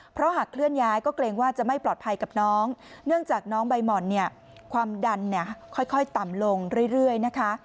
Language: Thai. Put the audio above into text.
เพราะหากเคลื่อนย้ายก็เกรงว่าจะไม่ปลอดภัยกับน้องเนื่องจากน้องใบหม่อนเนี่ยความดันเนี่ยค่อยต่ำลงเรื่อยนะคะ